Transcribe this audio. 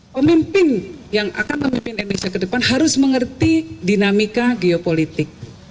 pemimpin yang akan memimpin indonesia ke depan harus mengerti dinamika geopolitik